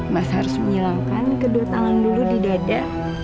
mas harus menghilangkan kedua tangan dulu di dada